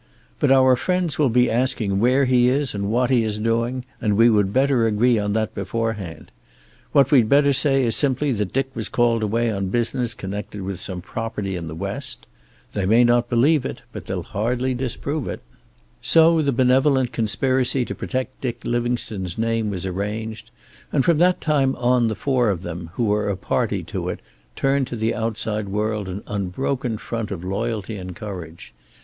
But our friends will be asking where he is and what he is doing, and we would better agree on that beforehand. What we'd better say is simply that Dick was called away on business connected with some property in the West. They may not believe it, but they'll hardly disprove it." So the benevolent conspiracy to protect Dick Livingstone's name was arranged, and from that time on the four of them who were a party to it turned to the outside world an unbroken front of loyalty and courage.